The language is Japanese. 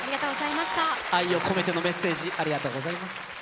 愛をこめてのメッセージありがとうございます。